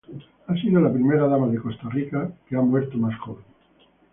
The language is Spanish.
Ha sido la Primera Dama de Costa Rica que ha muerto más joven.